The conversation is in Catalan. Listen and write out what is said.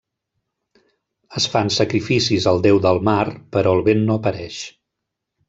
Es fan sacrificis al Déu del mar, però el vent no apareix.